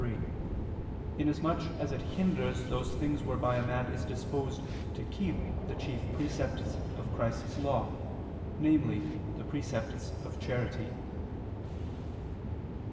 3), inasmuch as it hinders those things whereby a man is disposed to keep the chief precepts of Christ's law, namely the precepts of charity.